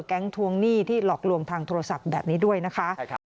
ทวงหนี้ที่หลอกลวงทางโทรศัพท์แบบนี้ด้วยนะคะ